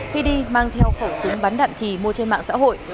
khi đi mang theo khẩu súng bắn đạn trì mua trên mạng xã hội